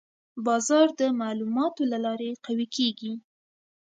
بازار د معلوماتو له لارې قوي کېږي.